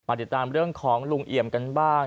ติดตามเรื่องของลุงเอี่ยมกันบ้าง